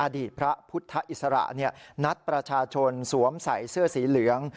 อดีตพระพุทธอิสระนัดประชาชนสวมใส่เสื้อสีเหลือง